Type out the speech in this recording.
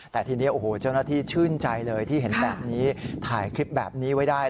แต่ทีนี้โอ้โหเจ้าหน้าที่ชื่นใจเลยที่เห็นแบบนี้ถ่ายคลิปแบบนี้ไว้ได้